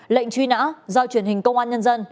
lệnh truy nã do truyền hình công an nhân dân